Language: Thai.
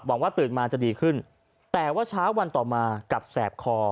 ว่าตื่นมาจะดีขึ้นแต่ว่าเช้าวันต่อมากลับแสบคอ